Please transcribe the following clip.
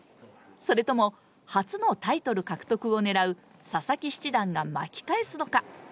それとも初のタイトル獲得を狙う佐々木七段が巻き返すのか。